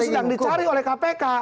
sedang dicari oleh kpk